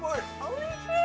おいしい！